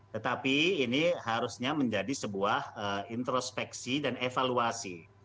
tetapi ini harusnya menjadi sebuah introspeksi dan evaluasi